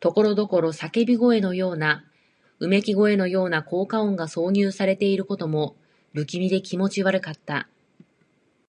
ところどころ叫び声のような、うめき声のような効果音が挿入されていることも、不気味で気持ち悪かった。